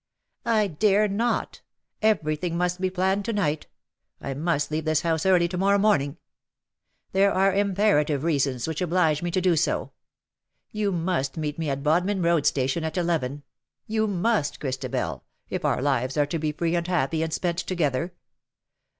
'•'I dare not; everything must be planned to night. I must leave this house early to morrow morning. 249 There are imperative reasons wliicli oblige me to do so. You must meet me at Bodmin Road Station at eleven — you must, Christabel^ if our lives are to be free and happy and spent together.